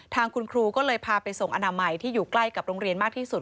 ทางคุณครูก็เลยพาไปส่งอนามัยที่อยู่ใกล้กับโรงเรียนมากที่สุด